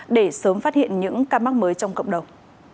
để sớm phát hiện những ca mắc mới trong cộng đồng